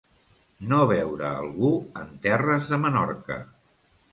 No veure algú en terres de Menorca.